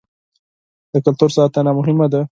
د کلتور ساتنه مهمه ده.